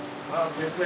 先生